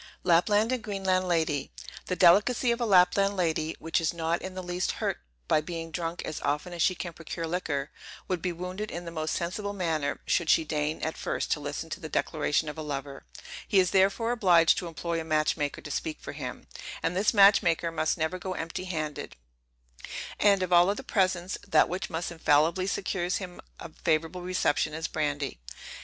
LAPLAND AND GREENLAND LADY. The delicacy of a Lapland lady, which is not in the least hurt by being drunk as often as she can procure liquor, would be wounded in the most sensible manner, should she deign at first to listen to the declaration of a lover; he is therefore obliged to employ a match maker to speak for him; and this match maker must never go empty handed; and of all other presents, that which must infallibly secures him a favorable reception is brandy.